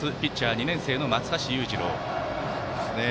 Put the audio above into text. ２年生の松橋裕次郎。